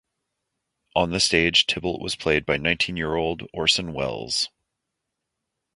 On the stage Tybalt was played by nineteen year old Orson Welles.